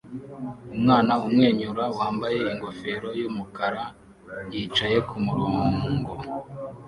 Umwana umwenyura wambaye ingofero yumukara yicaye kumurongo